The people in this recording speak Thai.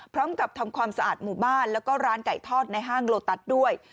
พร้อมกับทำความสะอาดหมู่บ้านแล้วก็ร้านไก่ทอดในห้างโลตัสด้วย